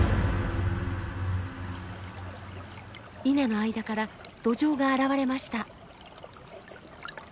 稲の間からドジョウが現れました。